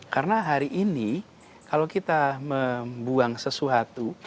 karena hari ini kalau kita membuang sesuatu